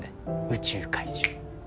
宇宙怪獣。